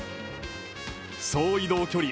総移動距離